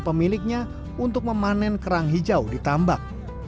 murni mengundang kerang hijau di tambak